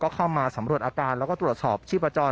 เข้ามาสำรวจอาการแล้วก็ตรวจสอบชีพจร